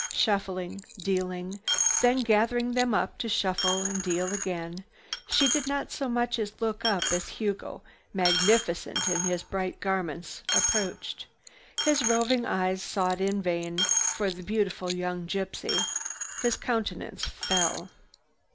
Shuffling, dealing, then gathering them up to shuffle and deal again, she did not so much as look up as Hugo, magnificent in his bright garments, approached. His roving eyes sought in vain for the beautiful young gypsy. His countenance fell.